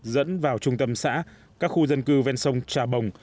dẫn vào trung tâm xã các khu dân cư ven sông trà bồng